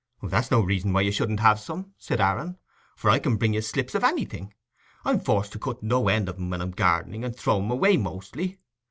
"That's no reason why you shouldn't have some," said Aaron, "for I can bring you slips of anything; I'm forced to cut no end of 'em when I'm gardening, and throw 'em away mostly.